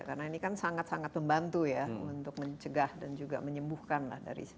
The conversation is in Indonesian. karena ini kan sangat sangat membantu ya untuk mencegah dan juga menyembuhkan lah dari covid